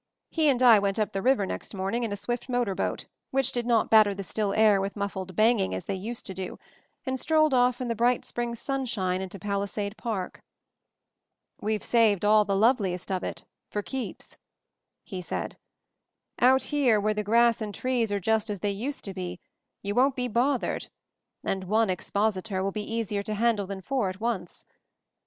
He and I went up the river next morning in a swift motor boat, which did not batter the still air with muffled banging as they used to do, and strolled off in the bright spring sunshine into Palisade Park. "We've saved all the loveliest of it — for keeps," he said. "Out here, where the grass and trees are just as they used to be, you won't be bothered, and one expositor will be easier to handle than four at once.